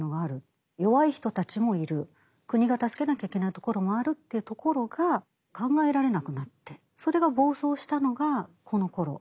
だけど国が助けなきゃいけないところもあるというところが考えられなくなってそれが暴走したのがこのころ。